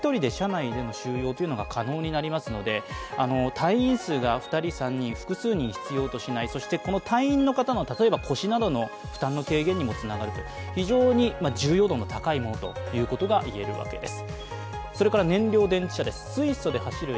隊員数が２人、３人、複数人必要としない、そしてこの隊員の方の腰などの負担の軽減にもつながる、非常に重要度の高いものということが言えるわけです。